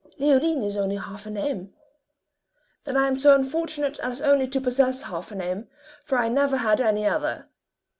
"Leoline is only half a name." "Then I am so unfortunate an only to possess half a name, for I never had any other."